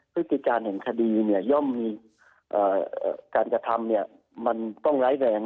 พฤติการแห่งคดีย่อมมีการกระทำมันต้องร้ายแรง